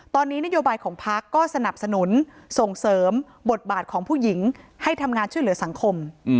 ตอนนี้นโยบายของพักก็สนับสนุนส่งเสริมบทบาทของผู้หญิงให้ทำงานช่วยเหลือสังคม